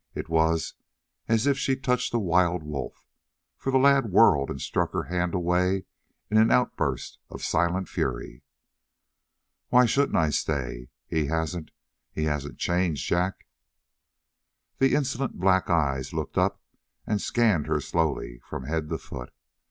It was as if she touched a wild wolf, for the lad whirled and struck her hand away in an outburst of silent fury. "Why shouldn't I stay? He hasn't he hasn't changed Jack?" The insolent black eyes looked up and scanned her slowly from head to foot.